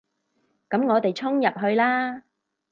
噉我哋衝入去啦